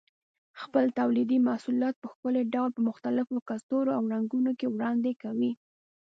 خپل تولیدي محصولات په ښکلي ډول په مختلفو کڅوړو او رنګونو کې وړاندې کوي.